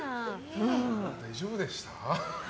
大丈夫でした？